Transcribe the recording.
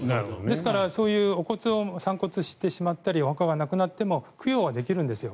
ですからお骨を散骨してしまったりお墓がなくなっても供養はできるんですよ。